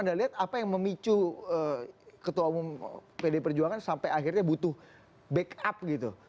anda lihat apa yang memicu ketua umum pd perjuangan sampai akhirnya butuh backup gitu